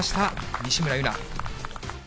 西村優菜。